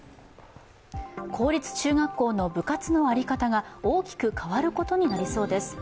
公立中学校の部活の在り方が、大きく変わることになりそうです。